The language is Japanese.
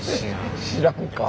知らんか。